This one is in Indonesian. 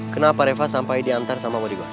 kenapa reva sampai diantar sama bodyguard